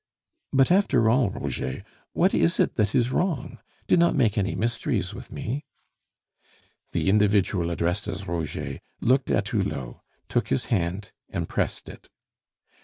"But, after all, Roger, what is it that is wrong? Do not make any mysteries with me." The individual addressed as Roger looked at Hulot, took his hand, and pressed it.